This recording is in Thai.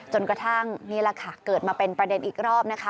จนกระทั่งนี่แหละค่ะเกิดมาเป็นประเด็นอีกรอบนะคะ